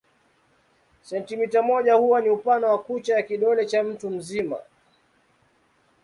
Sentimita moja huwa ni upana wa kucha ya kidole cha mtu mzima.